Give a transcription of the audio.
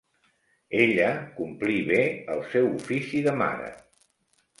Ella complí bé el seu ofici de mare.